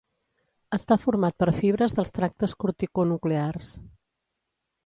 Està format per fibres dels tractes corticonuclears.